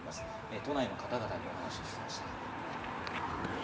都内の方々にお話を聞きました。